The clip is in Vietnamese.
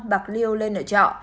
bạc liêu lên nở trọ